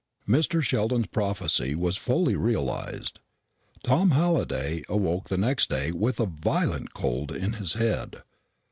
Mr. Sheldon's prophecy was fully realised. Tom Halliday awoke the next day with a violent cold in his head.